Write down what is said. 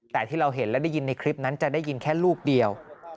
แต่ที่เราเห็นและได้ยินในคลิปนั้นจะได้ยินแค่ลูกเดียว